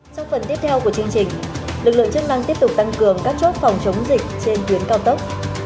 trong phần tiếp theo của chương trình lực lượng chức năng tiếp tục tăng cường các chốt phòng chống dịch trên tuyến cao tốc